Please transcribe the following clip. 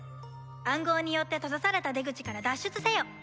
暗号によって閉ざされた出口から脱出せよ